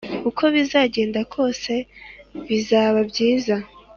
uko bizagenda kose bizaba byiza